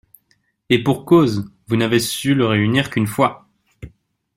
Et pour cause, vous n’avez su le réunir qu’une fois.